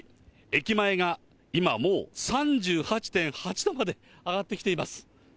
駅前が今もう、３８．８度まで上がってきています。